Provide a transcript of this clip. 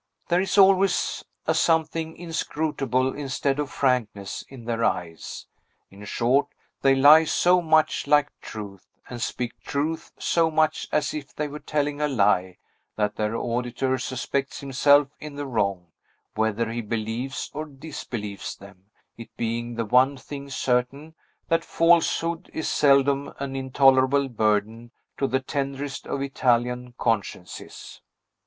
There is always a something inscrutable, instead of frankness, in their eyes. In short, they lie so much like truth, and speak truth so much as if they were telling a lie, that their auditor suspects himself in the wrong, whether he believes or disbelieves them; it being the one thing certain, that falsehood is seldom an intolerable burden to the tenderest of Italian consciences.